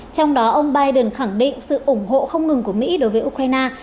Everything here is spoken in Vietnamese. trong đó ông biden khẳng định sự ủng hộ không ngừng của mỹ đối với ukraine